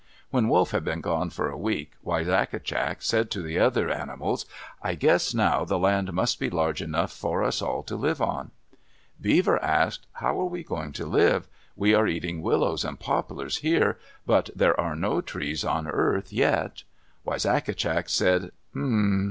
When Wolf had been gone for a week, Wisagatcak said to the other animals, "I guess now the land must be large enough for us all to live on." Beaver asked, "How are we going to live? We are eating willows and poplars here, but there are no trees on earth yet." Wisagatcak said, "Um m m m!